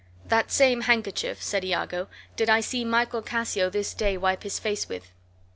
"That same handkerchief," said Iago, "did I see Michael Cassio this day wipe his face with."